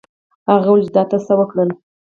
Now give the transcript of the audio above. هغه وویل چې دا تا څه وکړل.